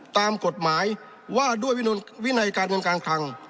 ตามกฎหมายว่าด้วยวินัยการเงินการคลัง